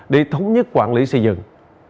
để thống nhất quản lý xây dựng